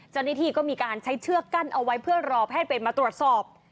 เจ้าหน้าที่ก็มีการใช้เชือกกั้นเอาไว้เพื่อรอแพทย์เป็นมาตรวจสอบ